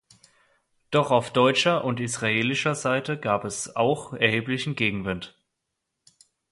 Doch auf deutscher und israelischer Seite gab es auch erheblichen Gegenwind.